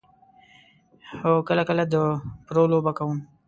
هو، کله کله د پرو لوبه کوم